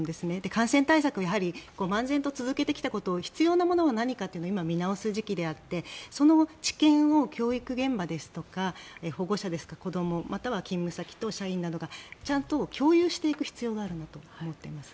感染対策はやはり漫然と続けてきたことを必要なものは何かを見直す時期であってその知見を教育現場ですとか保護者や子どもまたは勤務先と社員などがちゃんと共有していく必要があるんだと思っています。